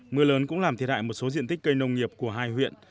mưa lớn cũng làm thiệt hại một số diện tích cây nông nghiệp của hai huyện